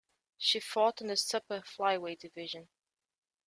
She fought in the Super Flyweight division.